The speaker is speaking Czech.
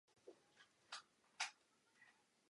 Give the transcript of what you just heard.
Jde vůbec o nejstarší stopy zemědělství na světě.